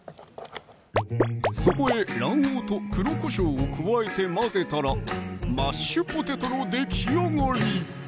そこへ卵黄と黒こしょうを加えて混ぜたらマッシュポテトのできあがり